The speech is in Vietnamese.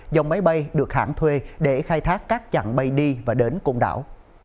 dòng máy bay được hãng thuê để khai thác các chặng bay đi và đến cùng đảo